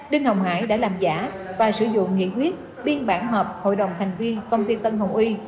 đinh ngọc hải đã làm giả và sử dụng nghị quyết biên bản họp hội đồng thành viên công ty tân hồng uy